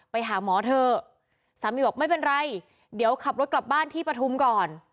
ไปหาหมอเถอะสามีบอกไม่เป็นไรเดี๋ยวขับรถกลับบ้านที่ปฐุมก่อน